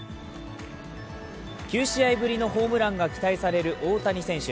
９試合ぶりのホームランが期待される大谷選手。